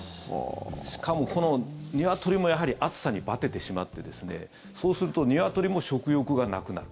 しかも、このニワトリもやはり暑さにバテてしまってそうするとニワトリも食欲がなくなる。